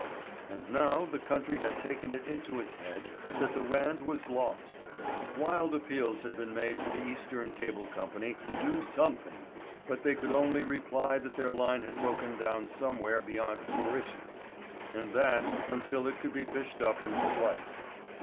And now the country had taken it into its head that the Rand was lost. Wild appeals had been made to the Eastern Cable Company to do something, but they could only reply that their line had broken down somewhere beyond Mauritius, and that, until it could be fished up and spliced.